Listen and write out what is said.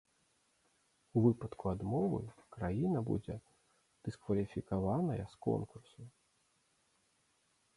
У выпадку адмовы краіна будзе дыскваліфікаваная з конкурсу.